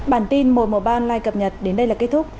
bản tin một trăm một mươi ba online cập nhật đến đây là kết thúc